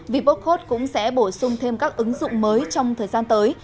vipocode cũng sẽ bổ sung thêm các ứng dụng mới trong thời gian tới